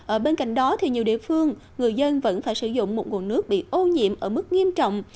ở bên cạnh đó nhiều địa phương người dân vẫn phải sử dụng một nguồn nước bị ô nhiễm ở mức nghiêm trọng